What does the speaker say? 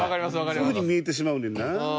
そういうふうに見えてしまうねんな。